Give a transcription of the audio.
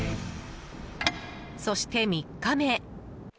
そして、３日目。